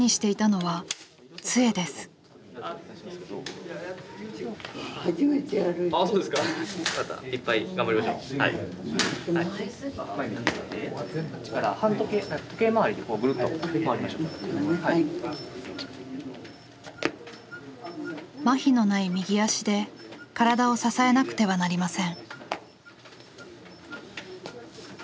こっちからまひのない右足で体を支えなくてはなりません。